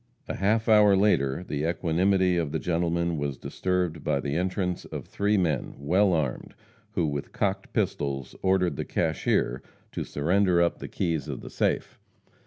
A half hour later the equanimity of the gentlemen was disturbed by the entrance of three men, well armed, who, with cocked pistols, ordered the cashier to surrender up the keys of the safe.